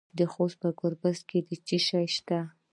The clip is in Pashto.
د خوست په ګربز کې څه شی شته؟